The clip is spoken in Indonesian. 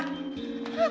terima kasih ibu